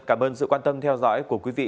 cảm ơn sự quan tâm theo dõi của quý vị và các bạn